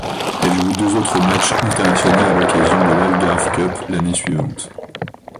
Elle joue deux autres matchs international à l'occasion de l'Algarve Cup l'année suivante.